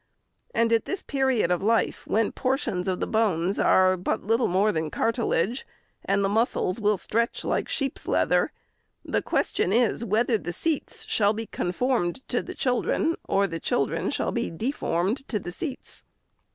And, at this period of life, when portions of the bones are but little more than cartilage, and the muscles will stretch like sheep's leather, the question is, whether the seats shall be conformed to the children, or the children shall be deformed to the seats.